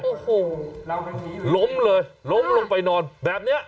โอ้โหล้มเลยล้มลงไปนอนแบบนี้